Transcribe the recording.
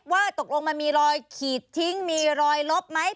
ว่าตกลงมันมีรอยขีดทิ้งมีรอยลบไหม